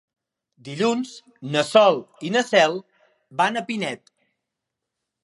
Dilluns na Sol i na Cel van a Pinet.